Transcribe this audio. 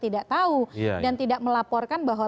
tidak tahu dan tidak melaporkan bahwa